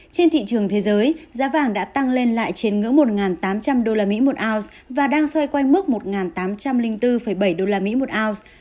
trên thị trường thế giới giá vàng đã tăng lên lại trên ngưỡng một tám trăm linh usd một ounce và đang xoay quanh mức một tám trăm linh bốn bảy usd một ounce